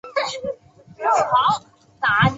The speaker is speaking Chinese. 官至司封员外郎。